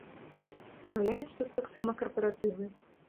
Спраўляюць тут таксама карпаратывы.